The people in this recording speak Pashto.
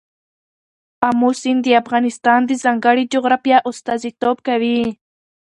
آمو سیند د افغانستان د ځانګړي جغرافیه استازیتوب کوي.